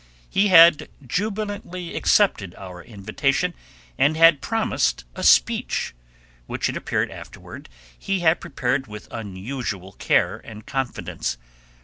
He had jubilantly accepted our invitation, and had promised a speech, which it appeared afterward he had prepared with unusual care and confidence.